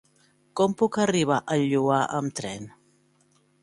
Com puc arribar al Lloar amb tren?